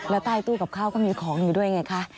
แล้วใต้ตู้กับข้าวก็มีของอยู่ด้วยไงคะ